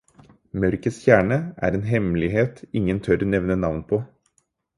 Mørkets kjerne er en hemmelighet ingen tør nevne navn på.